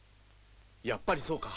やっぱりそうか。